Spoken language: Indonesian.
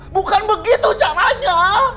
bukan begitu caranya